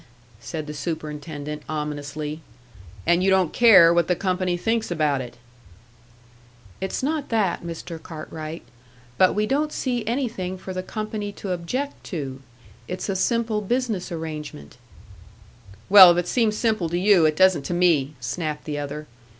said the superintendent, ominously. "And you don't care what the company thinks about it!" "It's not that, Mr. Cartwright, but we don't see anything for the company to object to. It's a simple business arrangement " "Well, if it seems simple to you, it doesn't to me," snapped the other.